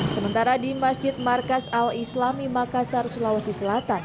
sementara di masjid markas al islami makassar sulawesi selatan